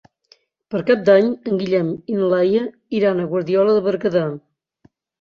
Per Cap d'Any en Guillem i na Laia iran a Guardiola de Berguedà.